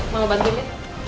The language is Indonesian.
mau bantuin ya